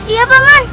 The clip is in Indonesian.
iya pak man